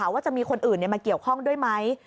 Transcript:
ว่าจะมีคนอื่นมาเกี่ยวข้องด้วยไหม